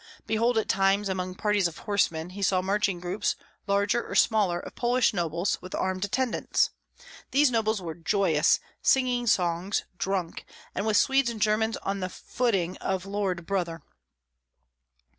Behold at times, among parties of horsemen, he saw marching groups, larger or smaller, of Polish nobles, with armed attendants; these nobles were joyous, singing songs, drunk, and with Swedes and Germans on the footing of "lord brother."